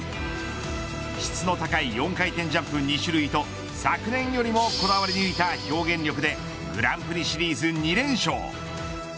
質の高い４回転ジャンプ２種類と昨年よりもこだわり抜いた表現力でグランプリシリーズ２連勝。